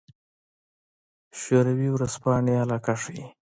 شوروي ورځپاڼې علاقه ښيي.